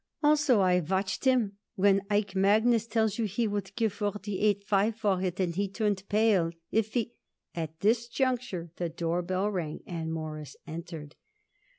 Also, I watched him when Ike Magnus tells you he would give forty eight five for it, and he turned pale. If he " At this juncture the doorbell rang and Morris entered.